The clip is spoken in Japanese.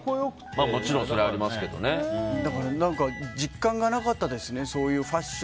だから、実感がなかったですね。